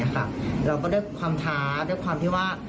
หนูคิดแค่นี้ค่ะ